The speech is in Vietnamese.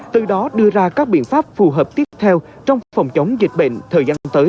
từ đó đưa ra các biện pháp phù hợp tiếp theo trong phòng chống dịch bệnh thời gian tới theo địa bàn